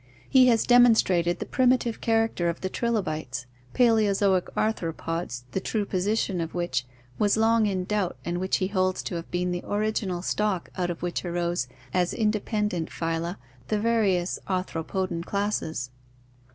He has demonstrated the primitive character of the trilobites (see Fig. 124), Paleozoic arthropods the true position of which was long in doubt and which he holds to have been the original stock out of which arose as independent phyla the various arthropodan classes.